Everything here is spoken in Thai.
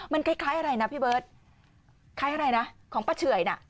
มันคล้ายอะไรนะพี่เบิร์ตคล้ายอะไรนะของป้าเฉื่อยน่ะ